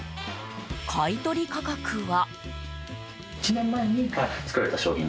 買い取り価格は。